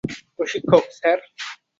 প্রশিক্ষক, স্যার?